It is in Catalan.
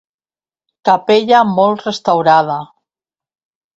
Capella molt restaurada.